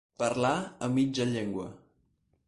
Parlar a mitja llengua.